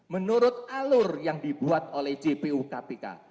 menurut alur yang dibuat oleh jpu kpk